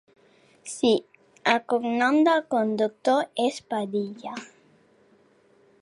Sí, el cognom del conductor és Padilla.